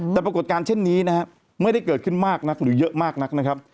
แต่ปรากฏการณ์เช่นนี้นะครับไม่ได้เกิดขึ้นมากนักหรือเยอะมากนักนะครับ